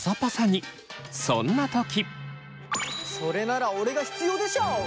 それなら俺が必要でしょ。